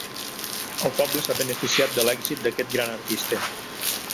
El poble s'ha beneficiat de l'èxit d'aquest gran artista.